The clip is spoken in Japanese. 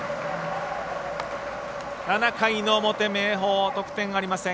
７回の表、明豊得点ありません。